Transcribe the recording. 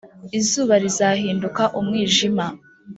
izuba rizahinduka umwijima